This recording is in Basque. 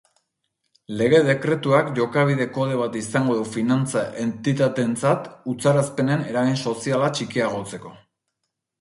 Lege-dekretuak jokabide kode bat izango du finantza entitateentzat, utzarazpenen eragin soziala txikiagotzeko.